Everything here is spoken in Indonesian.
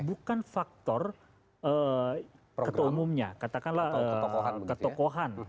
bukan faktor ketua umumnya katakanlah ketokohan